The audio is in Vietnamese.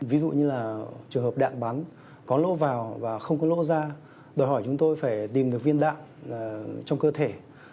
ví dụ như là trường hợp đạn bắn có lỗ vào và không có lỗ ra đòi hỏi chúng tôi phải tìm được viên đạn trong cơ thể